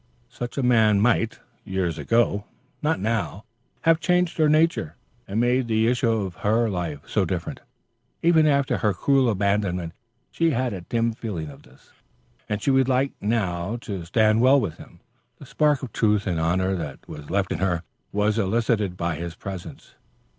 Such a man might, years ago, not now, have changed her nature, and made the issue of her life so different, even after her cruel abandonment. She had a dim feeling of this, and she would like now to stand well with him. The spark of truth and honor that was left in her was elicited by his presence.